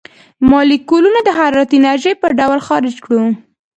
مالیکولونه د حرارتي انرژۍ په ډول خارج کړو.